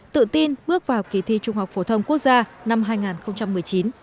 tự tin bước vào kỳ thi trung học phổ thông quốc gia năm hai nghìn một mươi chín